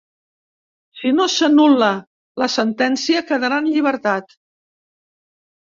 Si no s'anul·la la sentència, quedarà en llibertat.